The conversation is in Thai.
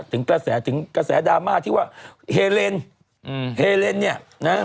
ถึงกระแสถึงกระแสดราม่าที่ว่าเฮเลนอืมเฮเลนเนี่ยนะ